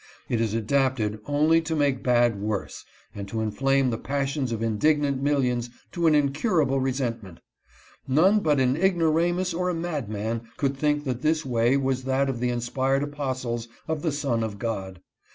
It is adapted only to make bad worse and to inflame the passions of indignant mil lions to an incurable resentment. None but an ignoramus or a mad man could think that this way was that of the inspired apostles of the Son of God.